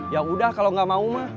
yaudah kalau gak mau ma